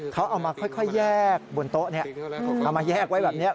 เขาเอามาค่อยแยกบนโต๊ะนี้เอามาแยกไว้แบบนี้